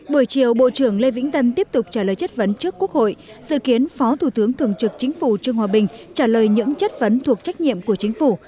buổi chiều bộ trưởng lê vĩnh tân tiếp tục trả lời chất vấn trước quốc hội dự kiến phó thủ tướng thường trực chính phủ trương hòa bình trả lời những chất vấn thuộc trách nhiệm của chính phủ